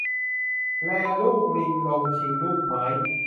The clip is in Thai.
แลลูกลิงลงชิง ลูกไม้